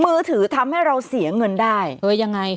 มือถือทำให้เราเสียเงินได้เออยังไง